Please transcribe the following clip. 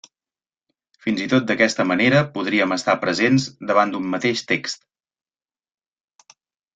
Fins i tot d'aquesta manera podríem estar presents davant d'un mateix text.